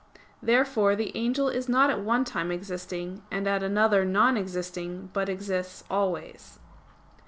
_ Therefore the angel is not at one time existing and at another non existing, but exists always.